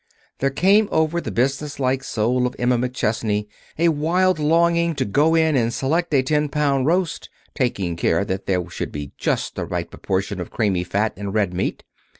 There came over the businesslike soul of Emma McChesney a wild longing to go in and select a ten pound roast, taking care that there should be just the right proportion of creamy fat and red meat.